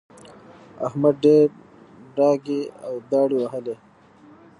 احمد ډېرې ډاکې او داړې ووهلې.